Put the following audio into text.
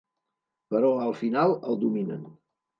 Però al final el dominen.